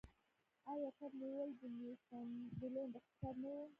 آیا کب نیول د نیوفونډلینډ اقتصاد نه و؟